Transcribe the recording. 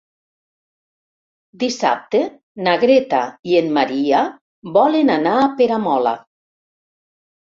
Dissabte na Greta i en Maria volen anar a Peramola.